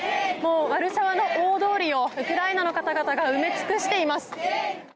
ワルシャワの大通りをウクライナの方々が埋め尽くしています。